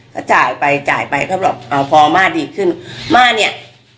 ก็จ่ายไปจ่ายไปก็บอกอ้าวพออาม่าดีขึ้นอาม่าเนี้ย